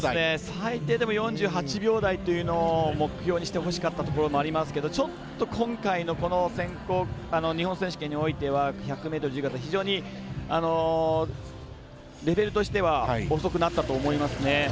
最低でも４８秒台というのを目標にしてほしかったところもありますけどちょっと今回の日本選手権においては１００ｍ自由形非常に、レベルとしては遅くなったと思いますね。